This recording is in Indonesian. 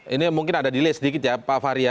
ini mungkin ada delay sedikit ya pak fahri ya